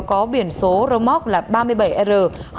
có biển số rơ móc là ba mươi bảy r ba nghìn chín trăm một mươi